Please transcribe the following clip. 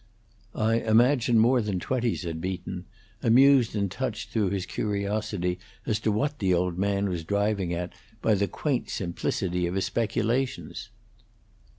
"I imagine more than twenty," said Beaton, amused and touched through his curiosity as to what the old man was driving at by the quaint simplicity of his speculations.